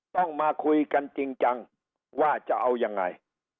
ต้องมาคุยกันจริงจังว่าจะเอายังไง